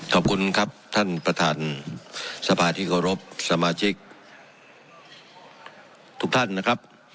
ขอบคุณครับท่านประธานสภาที่เคารพสมาชิกทุกท่านนะครับ